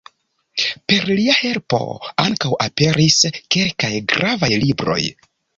Per lia helpo ankaŭ aperis kelkaj gravaj libroj.